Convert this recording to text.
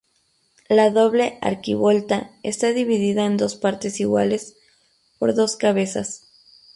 La doble arquivolta está dividida en dos partes iguales por dos cabezas.